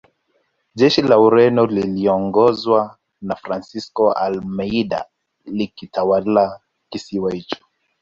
Jeshi la Ureno likiongozwa na Francisco Almeida lilikitawala kisiwa hicho